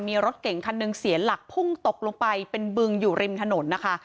มีรถเก่งคันหนึ่งเสียหลักพุ่งตกลงไปเป็นบึงอยู่ริมถนนนะคะ